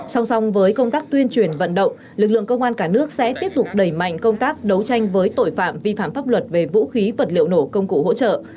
song song với công tác tuyên truyền vận động lực lượng công an cả nước sẽ tiếp tục đẩy mạnh công tác đấu tranh với tội phạm vi phạm pháp luật về vũ khí vật liệu nổ công cụ hỗ trợ